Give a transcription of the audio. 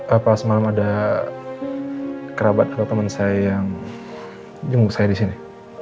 apa semalam ada kerabat atau teman saya yang jemput saya disini